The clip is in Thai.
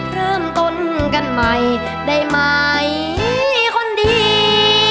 เริ่มต้นกันใหม่ได้ไหมคนดี